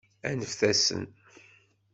Aneft-asen!